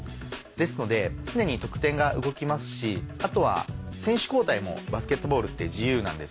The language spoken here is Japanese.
ですので常に得点が動きますしあとは選手交代もバスケットボールって自由なんですよね。